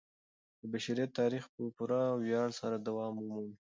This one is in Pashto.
د بشریت تاریخ به په پوره ویاړ سره دوام ومومي.